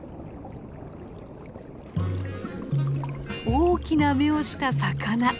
大きな目をした魚。